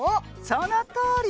そのとおり！